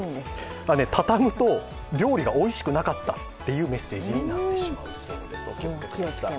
畳むと料理がおいしくなかったというメッセージになってしまうそうです。